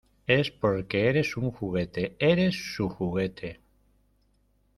Es porque eres un juguete. Eres su juguete .